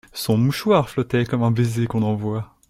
Son mouchoir flottait comme un baiser qu'on envoie.